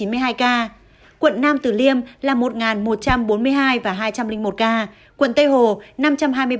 quận nam tử liêm là một một trăm bốn mươi hai và hai trăm linh một ca quận tây hồ năm trăm hai mươi ba và một trăm năm mươi bảy ca